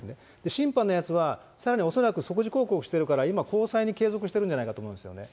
審判のやつは、さらに恐らく即時抗告してるから、今、高裁に継続してるんじゃないかと思うんですよね。